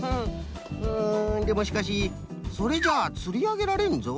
うんでもしかしそれじゃあつりあげられんぞ。